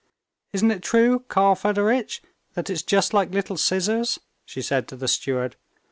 "Isn't it true, Karl Fedoritch, that it's just like little scissors?" she said to the steward.